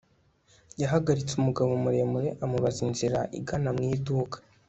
yahagaritse umugabo muremure amubaza inzira igana mu iduka